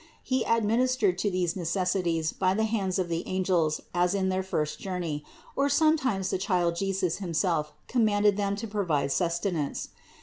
He administered to these neces sities by the hands of the angels as in the first journey, or sometimes the Child Jesus himself commanded them to provide sustenance.